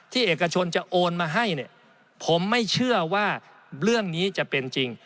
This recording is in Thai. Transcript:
เอกชนจะโอนมาให้เนี่ยผมไม่เชื่อว่าเรื่องนี้จะเป็นจริง